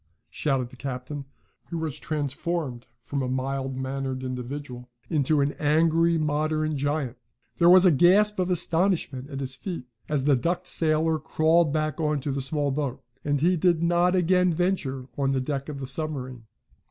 shouted the captain, who was transformed from a mild mannered individual into an angry, modern giant. There was a gasp of astonishment at his feat, as the ducked sailor crawled back into the small boat. And he did not again venture on the deck of the submarine.